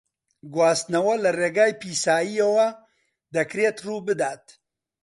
گواستنەوە لە ڕێگای پیساییەوە دەکرێت ڕووبدات.